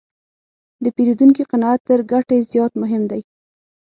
د پیرودونکي قناعت تر ګټې زیات مهم دی.